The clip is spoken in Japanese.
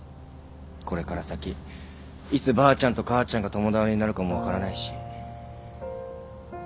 これから先いつばあちゃんと母ちゃんが共倒れになるかも分からないし。